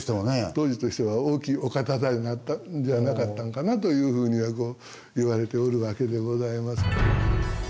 当時としては大きいお方だったんじゃなかったんかなというふうには言われておるわけでございます。